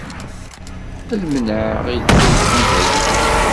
Ad menɛeɣ i lḥif i dayem.